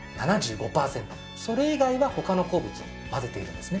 それ以外は他の鉱物を混ぜているんですね。